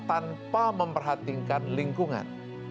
tanpa memperhatikan lingkungan